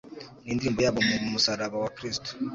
n'indirimbo yabo mu musaraba wa Kristo.